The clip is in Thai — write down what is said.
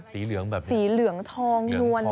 สีเหลืองแบบสีเหลืองทองนวล